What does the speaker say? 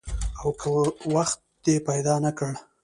او که وخت دې پیدا نه کړ؟